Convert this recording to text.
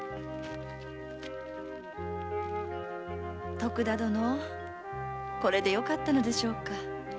徳田殿これでよかったのでしょうか？